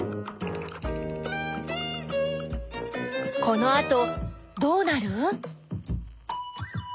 このあとどうなる？